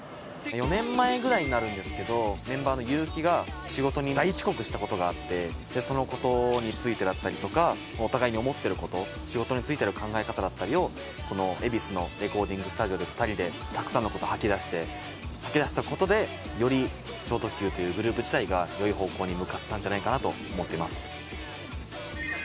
４年前ぐらいになるんですけどメンバーのユーキが仕事に大遅刻したことがあってそのことについてだったりとかお互いに思ってること仕事についての考え方だったりをこの恵比寿のレコーディングスタジオで２人でたくさんのこと吐き出して吐き出したことでより超特急というグループ自体が良い方向に向かったんじゃないかなと思っています。